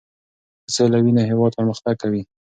که سوله وي نو هېواد پرمختګ کوي.